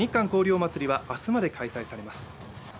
おまつりは明日まで開催されます。